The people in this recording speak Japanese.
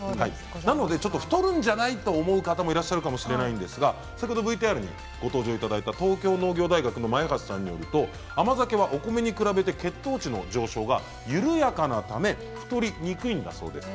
なので太るんじゃないの？と思う方もいるかもしれませんが先ほどＶＴＲにご登場いただいた東京農業大学の前橋さんによると甘酒はお米に比べて血糖値の上昇が緩やかなため太りにくいんだそうです。